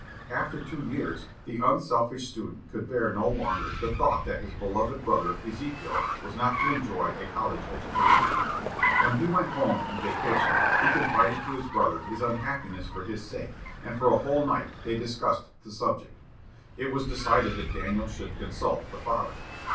After two years, the unselfish student could bear no longer the thought that his beloved brother Ezekiel was not to enjoy a college education. When he went home in vacation, he confided to his brother his unhappiness for his sake, and for a whole night they discussed the subject. It was decided that Daniel should consult the father.